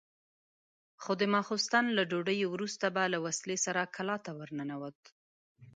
خو د ماخستن له ډوډۍ وروسته به له وسلې سره کلا ته ورننوت.